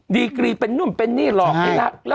ดีกรีนเป็นนุ่มเป็นนี่หลอกไอ้แล้ว